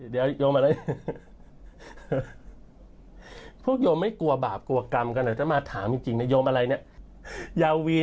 เดี๋ยวโยมอะไร